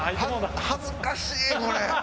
恥ずかしいこれ。